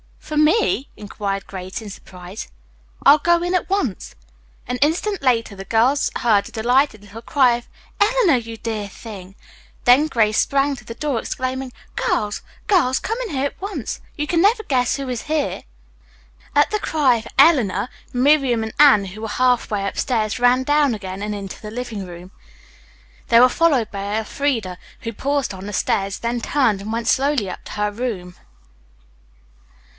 "For me?" inquired Grace in surprise. "I'll go in at once." An instant later the girls heard a delighted little cry of "Eleanor, you dear thing!" Then Grace sprang to the door, exclaiming: "Girls, girls! come in here at once. You can never guess who is here!" At the cry of "Eleanor," Miriam and Anne, who were half way upstairs, ran down again and into the living room. They were followed by Elfreda, who paused on the stairs, then turned and went slowly up to her room.